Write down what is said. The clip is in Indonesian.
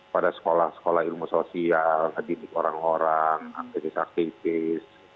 pada sekolah sekolah ilmu sosial didik orang orang aktivis aktivis